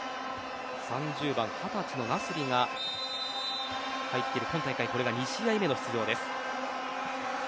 ３０番、２０歳のナスリが入っている、今大会これが２試合目の出場です。